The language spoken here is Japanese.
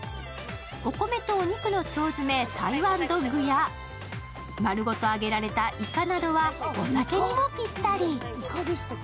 お米とお肉の腸詰め台湾ドッグや丸ごと揚げられたいかなどはお酒にもぴったり。